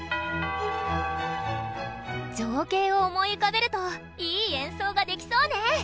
情景を思い浮かべるといい演奏ができそうね。